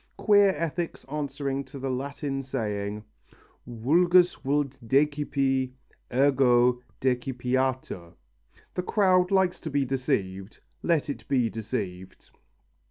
Queer ethics answering to the Latin saying: Vulgus vult decipi, ergo decipiatur (The crowd likes to be deceived, let it be deceived!).